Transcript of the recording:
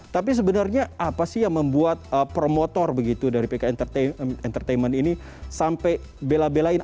tapi sebenarnya apa sih yang membuat promotor begitu dari pk entertainment ini sampai bela belain